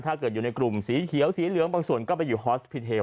อยู่ในกลุ่มสีเขียวสีเหลืองบางส่วนก็ไปอยู่ฮอสพิเฮล